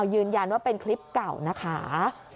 ยืนยันว่าเป็นคลิปเก่านะคะ